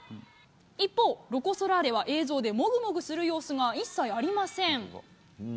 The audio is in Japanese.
一方、ロコ・ソラーレは映像でもぐもぐする様子が一切ありません。